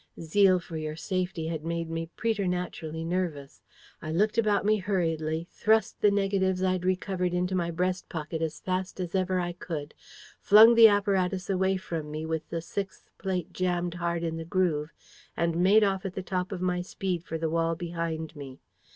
Zeal for your safety had made me preternaturally nervous. I looked about me hurriedly, thrust the negatives I'd recovered into my breast pocket as fast as ever I could, flung the apparatus away from me with the sixth plate jammed hard in the groove, and made off at the top of my speed for the wall behind me.